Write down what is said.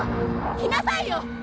来なさいよ！